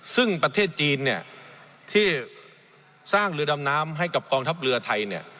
ซึ่งประเทศจีนที่สร้างเรือดำน้ำให้กับกองทัพเรือไทย